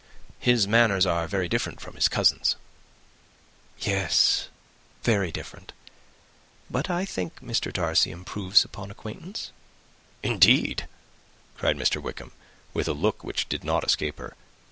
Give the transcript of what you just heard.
"His manners are very different from his cousin's." "Yes, very different; but I think Mr. Darcy improves on acquaintance." "Indeed!" cried Wickham, with a look which did not escape her.